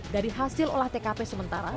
dari hasil olah tkp sementara